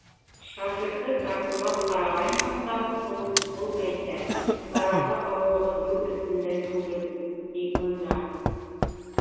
— Шофёрҙы тартҡылап ҡарағайныҡ та һуң, ул әйтә, бараһы ауылығыҙ юл өҫтөндә түгел, ти, унда